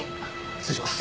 失礼します